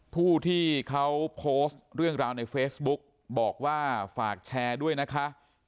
ผู้ที่เขาโพสต์เรื่องราวในเฟซบุ๊กบอกว่าฝากแชร์ด้วยนะคะ